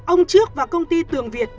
ông trước và công ty tường việt